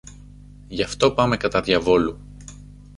Γι' αυτό πάμε κατά διαβόλου.